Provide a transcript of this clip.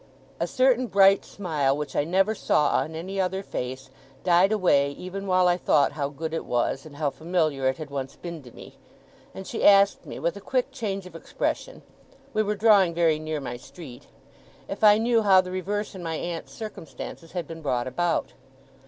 A certain bright smile, which I never saw on any other face, died away, even while I thought how good it was, and how familiar it had once been to me; and she asked me, with a quick change of expression (we were drawing very near my street), if I knew how the reverse in my aunt's circumstances had been brought about.